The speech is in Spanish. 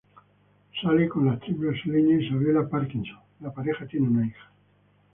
Sale con la actriz brasileña Isabella Parkinson, la pareja tiene una hija.